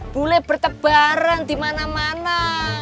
boleh bertebaran di mana mana